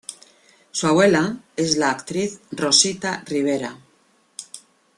Su abuela es la actriz Rosita Rivera.